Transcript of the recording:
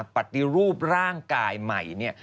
ปฏิรูปร่างกายใหม่เนี่ย